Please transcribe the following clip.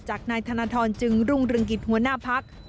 จากนายธนทรจึงรุงรึงกิจหัวหน้าภักดิ์